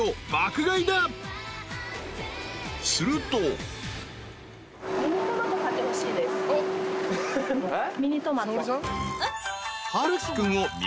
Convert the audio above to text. ［すると］えっ？